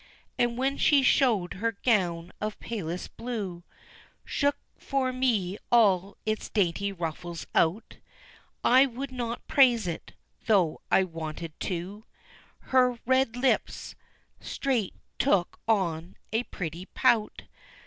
And when she showed her gown of palest blue, Shook for me all its dainty ruffles out, I would not praise it though I wanted to Her red lips straight took on a pretty pout.